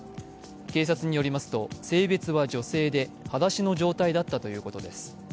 警察によりますと、性別は女性で、はだしの状態だったということです。